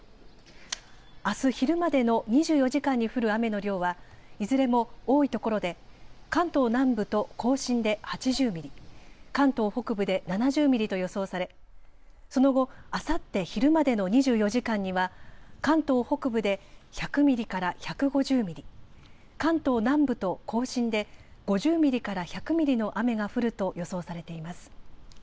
あす昼までの２４時間に降る雨の量はいずれも多いところで関東南部と甲信で８０ミリ、関東北部で７０ミリと予想されその後、あさって昼までの２４時間には関東北部で１００ミリから１５０ミリ、関東南部と甲信で５０ミリから１００ミリの雨が降ると予想されています。